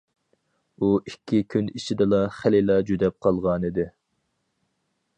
ئۇ ئىككى كۈن ئىچىدىلا خېلىلا جۈدەپ قالغانىدى.